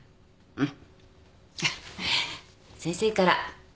うん。